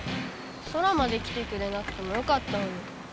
ソラまで来てくれなくてもよかったのに。